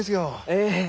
ええ！